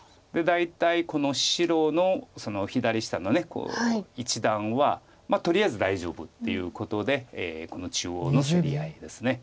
大体この白の左下の一団はとりあえず大丈夫っていうことでこの中央の競り合いです。